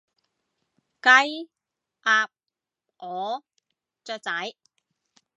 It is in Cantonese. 雞，鴨，鵝，雀仔